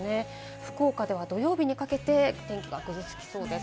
福岡では土曜日にかけて天気がぐずつきそうです。